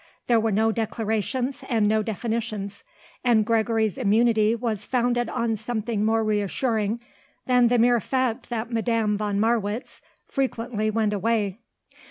There were no declarations and no definitions, and Gregory's immunity was founded on something more reassuring than the mere fact that Madame von Marwitz frequently went away.